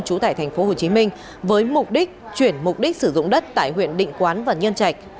trú tại tp hcm với mục đích chuyển mục đích sử dụng đất tại huyện định quán và nhân trạch